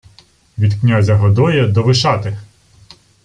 — Від князя Годоя до Вишати!